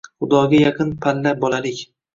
Xudoga yaqin palla bolalik